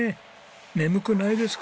眠くないですか？